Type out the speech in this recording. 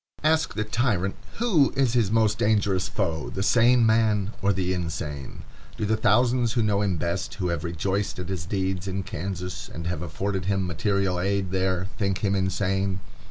Ask the tyrant who is his most dangerous foe, the sane man or the insane? Do the thousands who know him best, who have rejoiced at his deeds in Kansas, and have afforded him material aid there, think him insane?